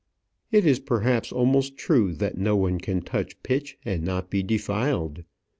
It is perhaps almost true that no one can touch pitch and not be defiled.